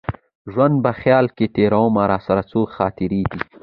ژوند په خیال کي تېرومه راسره څو خاطرې دي